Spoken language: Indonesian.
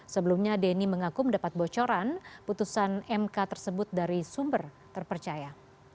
sebelumnya denny mengaku mendapat bocoran putusan mk tersebut dari sumber terpercaya